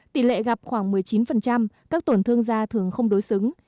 tỷ lệ gặp khoảng một mươi chín các tổn thương da thường không đối xứng